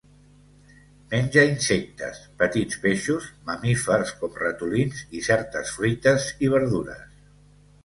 Menja insectes, petits peixos, mamífers com ratolins i certes fruites i verdures.